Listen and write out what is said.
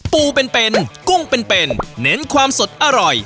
ปูเป็นกุ้งเป็นเน้นความสดอร่อย